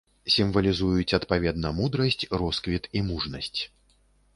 Сімвалізуюць адпаведна мудрасць, росквіт і мужнасць.